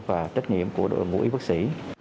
và trách nhiệm của đội ngũ y bác sĩ